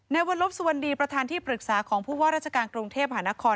ในวันลบสวัสดีประธานที่ปรึกษาของผู้ว่าราชการกรุงเทพหานคร